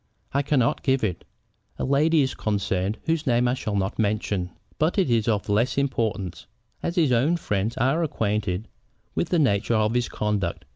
"I cannot give it. A lady is concerned whose name I shall not mention. But it is of less importance, as his own friends are acquainted with the nature of his conduct.